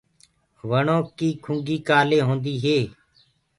وڻو ڪي کُنگي ڪآلي هوندي هي؟